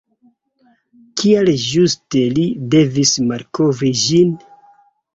Kial ĝuste li devis malkovri ĝin?